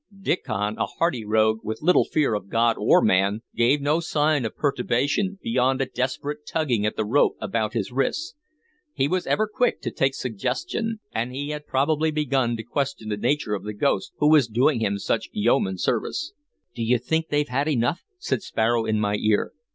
Diccon, a hardy rogue, with little fear of God or man, gave no sign of perturbation beyond a desperate tugging at the rope about his wrists. He was ever quick to take suggestion, and he had probably begun to question the nature of the ghost who was doing him such yeoman service. "D' ye think they've had enough?" said Sparrow in my ear.